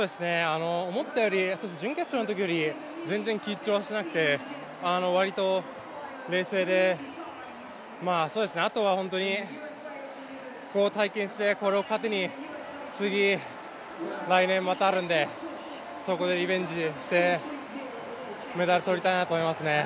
思ったより準決勝のときより全然緊張はしてなくてわりと冷静で、あとはホントにこれを体験してこれを糧に次、来年またあるんで、そこでリベンジして、メダル取りたいなと思いますね。